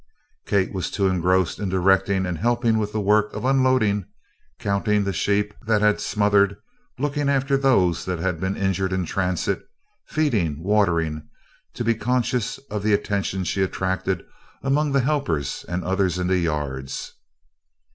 Kate was too engrossed in directing and helping with the work of unloading, counting the sheep that had smothered, looking after those that had been injured in transit, feeding, watering, to be conscious of the attention she attracted among the helpers and others in the yards.